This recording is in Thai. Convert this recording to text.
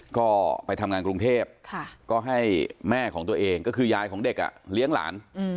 ก็ไปทำงานกรุงเทพก็ให้แม่ของตัวเองก็คือยายของเด็กเลี้ยงหลาน